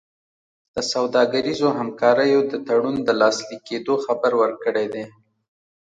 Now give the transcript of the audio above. د سوداګریزو همکاریو د تړون د لاسلیک کېدو خبر ورکړی دی.